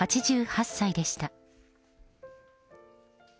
８８歳でした。